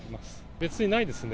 別にないですね。